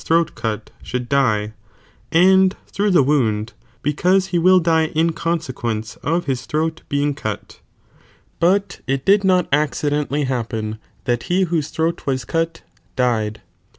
255 cut should (lie, nnd through the wound, because he will die in ci>nsequence of his throat being cut, but it did not accident ally hap[ien tliat he whose throat was cut died.